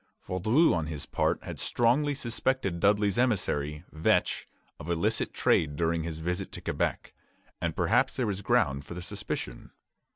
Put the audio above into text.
Vaudreuil on his part had strongly suspected Dudley's emissary, Vetch, of illicit trade during his visit to Quebec; and perhaps there was ground for the suspicion.